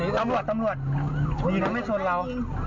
ดีนะมันไม่ชนเรา